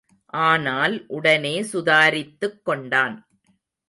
ஆனால் உடனே சுதாரித்துக் கொண்டான்.